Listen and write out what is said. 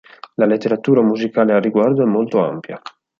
La letteratura musicale al riguardo è molto ampia.